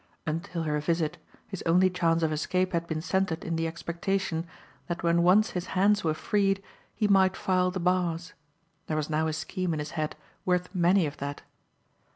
Until her visit his only chance of escape had been centered in the expectation that when once his hands were freed he might file the bars. There was now a scheme in his head worth many of that.